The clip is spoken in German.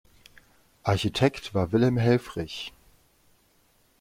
Architekt war Wilhelm Helfrich.